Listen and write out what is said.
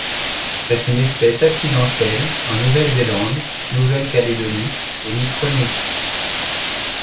C'est une espèce accidentelle en Nouvelle-Zélande, Nouvelle-Calédonie et Micronésie.